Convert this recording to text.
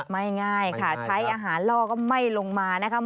ไม่ง่ายค่ะใช้อาหารล่อก็ไม่ลงมานะคะ